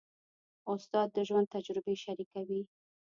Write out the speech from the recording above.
استاد د ژوند تجربې شریکوي.